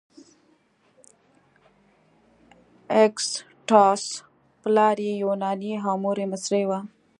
اګسټاس پلار یې یوناني او مور یې مصري وه.